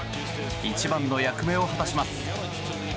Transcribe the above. １番の役目を果たします。